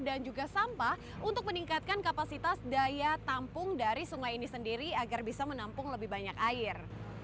dan juga sampah untuk meningkatkan kapasitas daya tampung dari sungai ini sendiri agar bisa menampung lebih banyak air